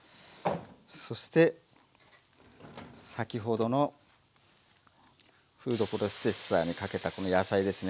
そして先ほどのフードプロセッサーにかけたこの野菜ですね